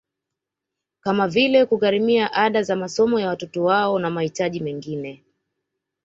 Kama vile kugharimia ada za masomo ya watoto wao na mahitaji mengine